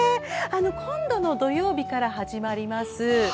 今度の土曜日から始まります